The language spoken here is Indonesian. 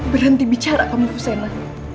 berhenti bicara kamu fusena